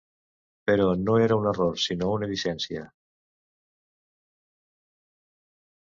Però no era un error, sinó una llicència.